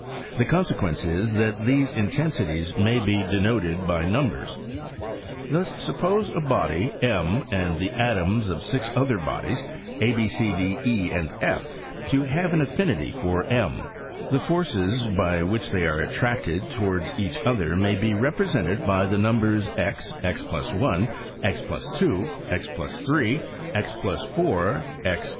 The consequence is, that these intensities may be denoted by numb^s. Thus, suppose a body m, and the atoms of six other bodies, a, b, c, d, e, /", to have an affinity for tm, the forces by which they are attracted towards each other may be represented by the numbers x, x+ 1, x l 2, x { 3, x+4, x t 5.